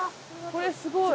これすごい。